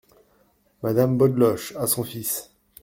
Madame Beaudeloche , à son fils.